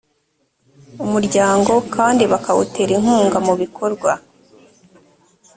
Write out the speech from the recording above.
umuryango kandi bakawutera inkunga mu bikorwa